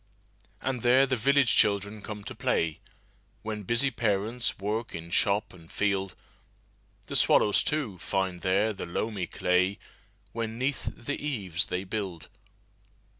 And there the village children come to play, When busy parents work in shop and field. The swallows, too, find there the loamy clayWhen 'neath the eaves they build.